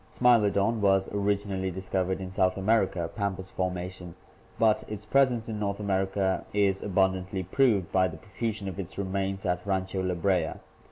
Smilodon was originally dis covered in South America (Pampas formation), but its presence in North America is abundantly proved by the profusion of its re mains at Rancho La Brea.